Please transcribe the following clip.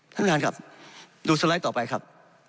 ท่านครับดูสไลด์ต่อไปครับ